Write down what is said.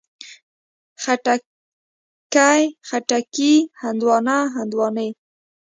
خټکی، خټکي، هندواڼه، هندواڼې